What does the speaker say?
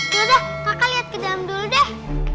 yaudah maka lihat ke dalam dulu deh